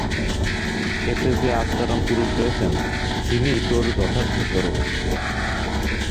এতে যে আত্মারাম পুরুষ রয়েছেন, তিনিই তোর যথার্থ স্বরূপ।